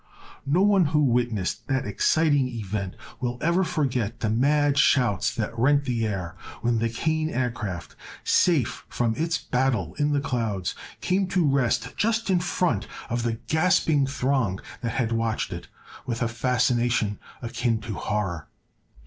No one who witnessed that exciting event will ever forget the mad shouts that rent the air when the Kane Aircraft, safe from its battle in the clouds, came to rest just in front of the gasping throng that had watched it with a fascination akin to horror.